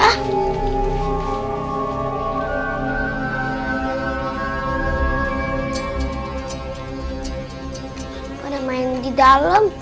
aku pada main di dalam